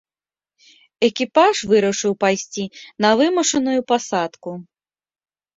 Экіпаж вырашыў пайсці на вымушаную пасадку.